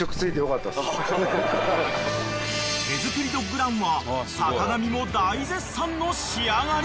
［手作りドッグランは坂上も大絶賛の仕上がり］